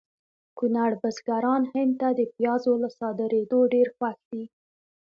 کونړ بزګران هند ته د پیازو له صادریدو ډېر خوښ دي